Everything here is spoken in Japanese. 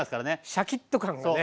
シャキッと感がね。